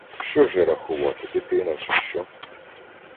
Що ж я, рахувати, дитина, чи що?